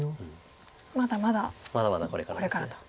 まだまだこれからと。